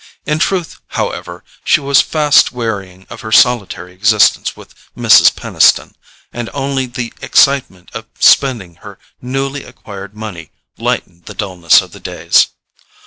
In truth, however, she was fast wearying of her solitary existence with Mrs. Peniston, and only the excitement of spending her newly acquired money lightened the dulness of the days.